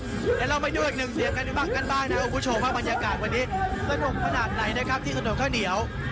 เดี๋ยวเราไปดูอีกหนึ่งเสียงกันในบ้านกันบ้างนะครับคุณผู้ชมว่าบรรยากาศวันนี้สนุกขนาดไหนนะครับที่ถนนข้าวเหนียว